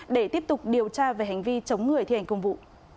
để tiếp tục điều tra về hành vi chống người thi hành công vụ